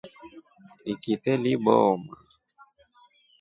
Ikite libooma.